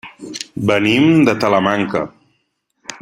Venim de Talamanca.